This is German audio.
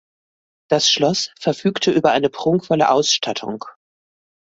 Das Schloss verfügte über eine prunkvolle Ausstattung.